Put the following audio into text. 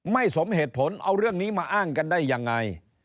สมเหตุผลเอาเรื่องนี้มาอ้างกันได้ยังไง